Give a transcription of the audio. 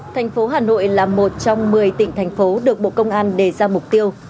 thành phố hà nội là một trong một mươi tỉnh thành phố được bộ công an đề ra mục tiêu